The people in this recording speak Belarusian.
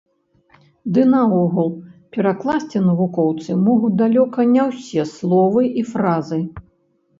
Ды наогул, перакласці навукоўцы могуць далёка не ўсе словы і фразы.